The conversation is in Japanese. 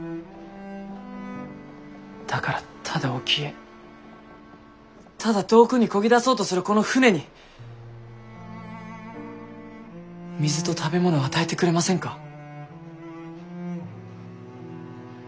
だからただ沖へただ遠くにこぎ出そうとするこの船に水と食べ物を与えてくれませんか。